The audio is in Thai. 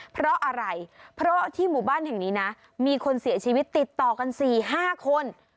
เพราะอะไรเพราะที่หมู่บ้านแห่งนี้นะมีคนเสียชีวิตติดต่อกัน๔๕คน